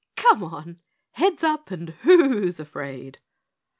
"Come on heads up, and who's afraid?"